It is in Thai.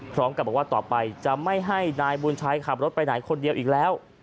พร้อมกับบอกว่าต่อไปจะไม่ให้นายบุญชัยขับรถไปไหนคนเดียวอีกแล้ว